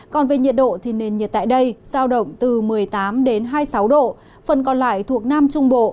còn về nhiệt độ thì nền nhiệt tại đây giao động từ một mươi tám hai mươi sáu độ phần còn lại thuộc nam trung bộ